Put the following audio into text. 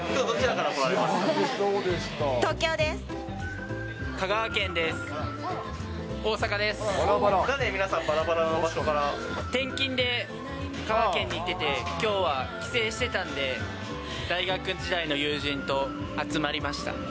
なんで皆さん、転勤で香川県に行ってて、きょうは帰省してたんで、大学時代の友人と集まりました。